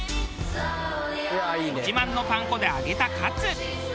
ご自慢のパン粉で揚げたカツ。